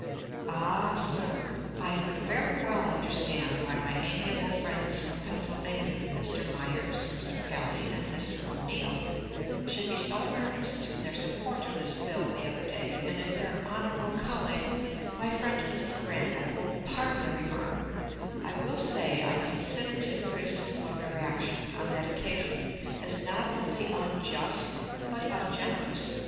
Ah, sir, I could very well understand why my amiable friends from Pennsylvania (Mr. Myers, Mr. Kelley and Mr. O'Neill) should be so earnest in their support of this bill the other day, and if their honorable colleague, my friend, Mr. Randall, will pardon the remark, I will say I considered his criticism of their action on that occasion as not only unjust, but ungenerous.